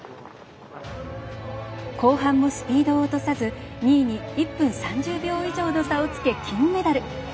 後半もスピードを落とさず２位に１分３０秒以上の差をつけ金メダル。